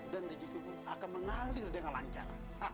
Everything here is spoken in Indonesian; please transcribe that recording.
dan rizky kukun akan mengalir dengan lancar